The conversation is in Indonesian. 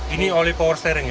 ini oli power steering ya